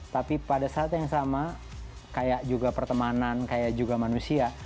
tapi pada saat yang sama kayak juga pertemanan kayak juga manusia